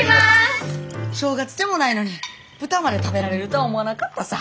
正月でもないのに豚まで食べられるとは思わなかったさ。